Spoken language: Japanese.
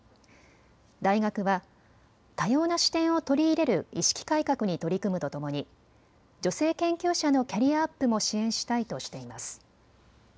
大学は多様な視点を取り入れる意識改革に取り組むとともに女性研究者のキャリアアップも支援したいとしています。